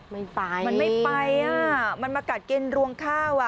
ไม่ไปมันไม่ไปอ่ะมันมากัดกินรวงข้าวอ่ะ